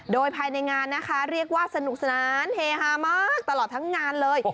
โดยภายในงานนะคะเรียกว่าสนุกสนานเฮฮามากตลอดทั้งงานเลย